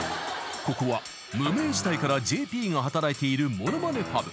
［ここは無名時代からＪＰが働いているモノマネパブ］